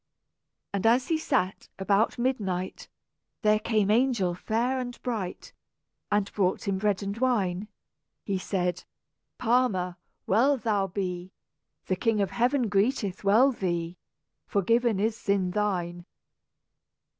And as he sat, about midnight, There came angel fair and bright, And brought him bread and wine. He said, "Palmer, well thou be! The King of Heaven greeteth well thee; Forgiven is sin thine."